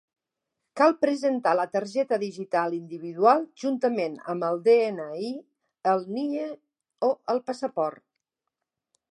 Cal presentar la targeta digital individual, juntament amb el DNI, el NIE o el passaport.